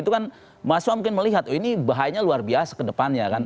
itu kan mahasiswa mungkin melihat ini bahayanya luar biasa ke depannya kan